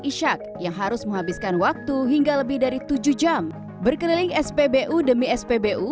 ishak yang harus menghabiskan waktu hingga lebih dari tujuh jam berkeliling spbu demi spbu